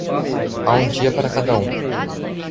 Há um dia para cada um.